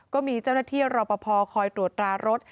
ก็มีเจ้าหน้าที่รอปภคอยตรวจตรารถ